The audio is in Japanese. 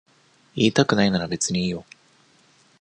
言いたくないなら別にいいよ。